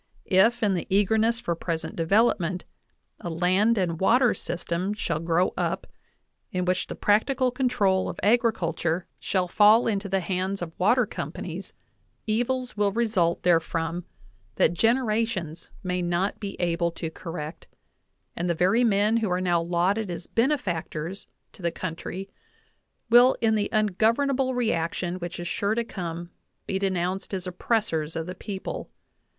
... If, in the eagerness for present development, a land and water system shall grow up in which the practical control of agriculture 43 NATIONAL ACADEMY BIOGRAPHICAL MEMOIRS VOL. VIII shall fall into the hands of water companies, evils will result therefrom that generations may not be able to correct, and the very men who are now lauded as benefactors to the country will, in the ungovernable reaction which is sure to come, be denounced as oppressors of the people.